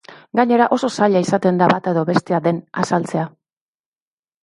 Gainera oso zaila izaten da bata edo bestea den azaltzea.